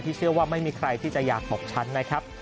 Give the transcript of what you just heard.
เชื่อว่าไม่มีใครที่จะอยากตกชั้นนะครับ